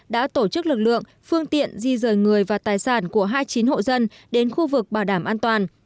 đã tổ chức lực lượng phương tiện di rời người và tài sản của hai mươi chín hộ dân đến khu vực bảo đảm an toàn